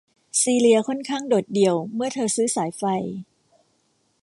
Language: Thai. ซีเลียค่อนข้างโดดเดี่ยวเมื่อเธอซื้อสายไฟ